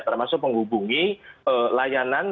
termasuk menghubungi layanan